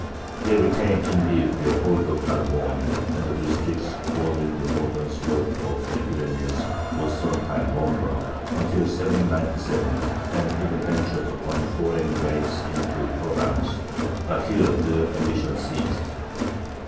They retained, indeed, their hold of Narbonne and the districts bordering the northern slopes of the Pyrenees for some time longer (until 797), and even ventured upon foraying raids into Provence. But here their ambition ceased.